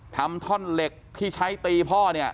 ท่อนเหล็กที่ใช้ตีพ่อเนี่ย